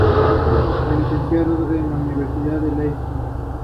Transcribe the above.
A la temperatura ambiente, se encuentra en estado sólido.